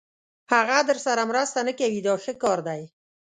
هغه درسره مرسته نه کوي دا ښه کار دی.